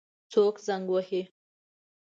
څوک زنګ وهي؟